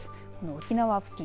沖縄付近